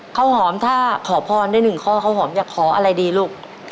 ข้าวหอมถ้าขอพรได้หนึ่งข้อข้าวหอมอยากขออะไรดีลูก